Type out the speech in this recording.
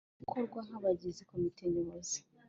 gutorwa nk abagize Komite Nyobozi